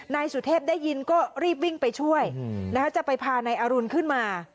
นายสุเทพได้ยินก็รีบวิ่งไปช่วยจะไปพานายอรุณขึ้นมา